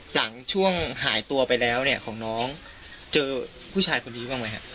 หลังช่วงหายตัวไปแล้วเนี่ยของน้องเจอผู้ชายคนนี้บ้างไหมฮะ